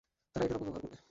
তারা এটার অপব্যবহার করবে।